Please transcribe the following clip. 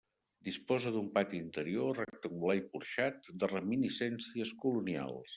Disposa d'un pati interior, rectangular i porxat, de reminiscències colonials.